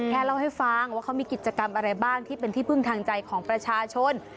เล่าให้ฟังว่าเขามีกิจกรรมอะไรบ้างที่เป็นที่พึ่งทางใจของประชาชน